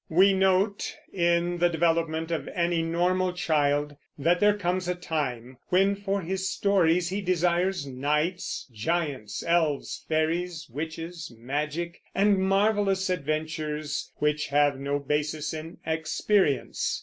We note, in the development of any normal child, that there comes a time when for his stories he desires knights, giants, elves, fairies, witches, magic, and marvelous adventures which have no basis in experience.